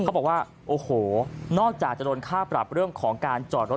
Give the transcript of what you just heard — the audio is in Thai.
เขาบอกว่าโอ้โหนอกจากจะโดนค่าปรับเรื่องของการจอดรถ